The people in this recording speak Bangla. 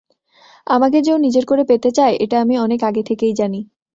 আমাকে যে ও নিজের করে পেতে চাই, এইটা আমি অনেক আগ থেকেই জানি।